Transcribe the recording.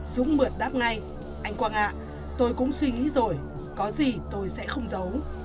dũng mượt đáp ngay anh quang ạ tôi cũng suy nghĩ rồi có gì tôi sẽ không giấu